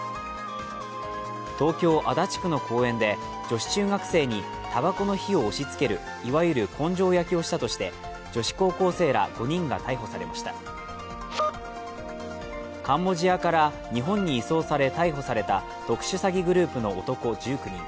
東京・足立区の公園で女子中学生にたばこの火を押しつけるいわゆる根性焼きをしたとして女子高校生ら５人が逮捕されましたカンボジアから日本に移送され逮捕された特殊詐欺グループの男１９人。